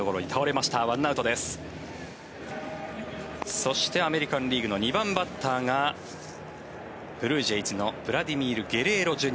そしてアメリカン・リーグの２番バッターがブルージェイズのウラジミール・ゲレーロＪｒ．。